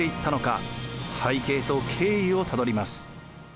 背景と経緯をたどります。